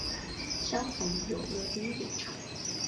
相逢有乐町演唱。